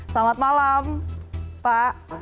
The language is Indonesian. selamat malam pak ahmad